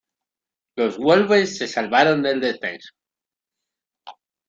Los Wolves se salvaron del descenso.